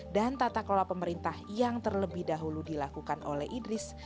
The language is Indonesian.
dan tata kelola pemerintah yang terlebih dahulu dilakukan oleh idris